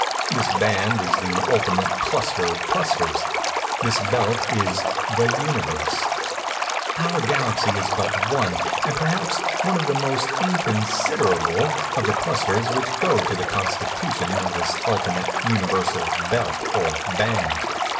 This band is the ultimate cluster of clusters. This belt is The Universe. Our Galaxy is but one, and perhaps one of the most inconsiderable, of the clusters which go to the constitution of this ultimate, Universal belt or band.